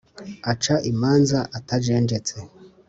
aca imanza atajenjetse